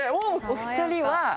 お２人は。